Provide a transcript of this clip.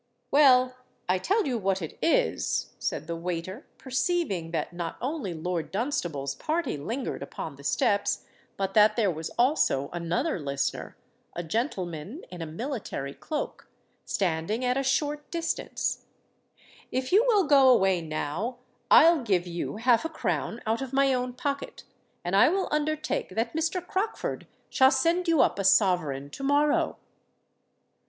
"Well, I tell you what it is," said the waiter, perceiving that not only Lord Dunstable's party lingered upon the steps, but that there was also another listener—a gentleman in a military cloak—standing at a short distance:—"if you will go away now, I'll give you half a crown out of my own pocket, and I will undertake that Mr. Crockford shall send you up a sovereign to morrow."